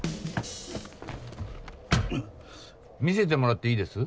見せてもらっていいです？